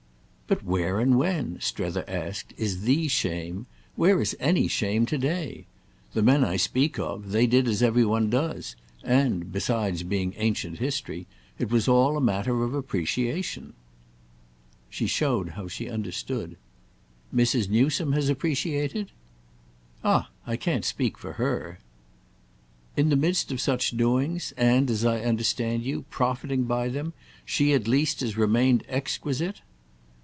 "But where and when," Strether asked, "is 'the shame'—where is any shame—to day? The men I speak of—they did as every one does; and (besides being ancient history) it was all a matter of appreciation." She showed how she understood. "Mrs. Newsome has appreciated?" "Ah I can't speak for her!" "In the midst of such doings—and, as I understand you, profiting by them, she at least has remained exquisite?"